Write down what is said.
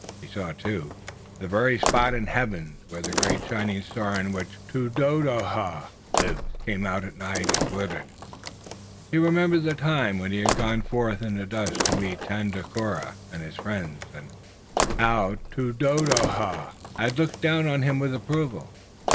He saw, too, the very spot in the heavens where the great shining star on which Tododaho lived came out at night and glittered. He remembered the time when he had gone forth in the dusk to meet Tandakora and his friends, and how Tododaho had looked down on him with approval.